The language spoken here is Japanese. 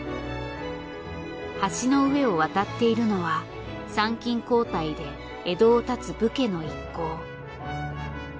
橋の上を渡っているのは参勤交代で江戸を発つ武家の一行。